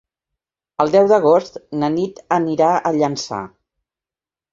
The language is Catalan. El deu d'agost na Nit anirà a Llançà.